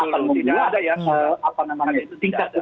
tingkat kekuargaan ganggarnya